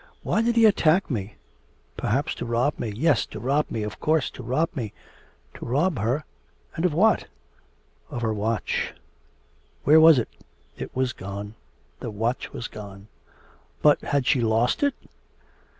Why did he attack me? ... Perhaps to rob me; yes, to rob me, of course, to rob me.' To rob her, and of what?... of her watch; where was it? It was gone. The watch was gone.... But, had she lost it?